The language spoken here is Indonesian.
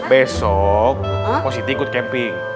besok positi ikut camping